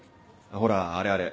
ほらあれあれ。